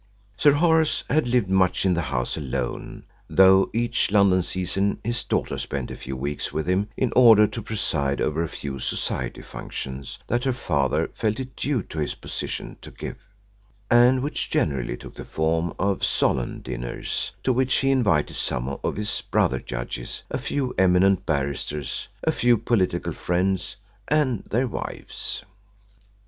Sir Horace had lived much in the house alone, though each London season his daughter spent a few weeks with him in order to preside over the few Society functions that her father felt it due to his position to give, and which generally took the form of solemn dinners to which he invited some of his brother judges, a few eminent barristers, a few political friends, and their wives.